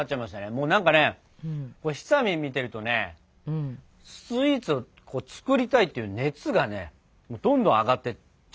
もうなんかねひさみん見てるとねスイーツを作りたいっていう熱がねどんどん上がってっちゃったね。